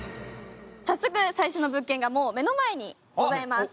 早速、最初の物件がもう目の前にございます。